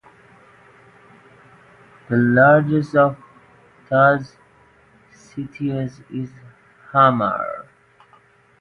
The largest of those cities is Hamar.